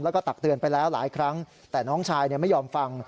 แล้วก็ตักเตือนไปแล้วหลายครั้งแต่น้องชายไม่ยอมฟัง